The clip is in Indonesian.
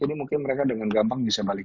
jadi mungkin mereka dengan gampang bisa balikin